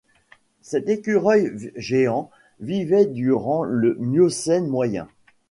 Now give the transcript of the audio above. Cet écureuil géant vivait durant le Miocène moyen.